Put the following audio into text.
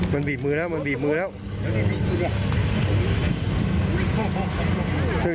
มันบีบมือแล้วมันบีบมือแล้ว